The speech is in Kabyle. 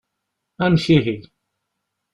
Amek ihi.